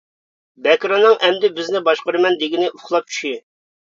بەكرىنىڭ ئەمدى بىزنى باشقۇرىمەن دېگىنى ئۇخلاپ چۈشى!